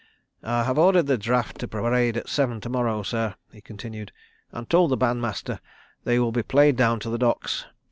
"I have ordered the draft to parade at seven to morrow, sir," he continued, "and told the Bandmaster they will be played down to the Docks.